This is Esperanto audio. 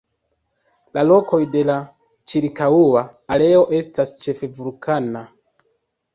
La rokoj de la ĉirkaŭa areo estas ĉefe vulkana.